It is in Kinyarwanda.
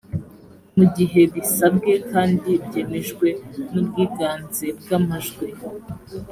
mu gihe bisabwe kandi byemejwe n’ubwiganze bw’amajwi